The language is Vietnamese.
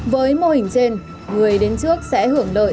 với mô hình trên người đến trước sẽ hưởng lợi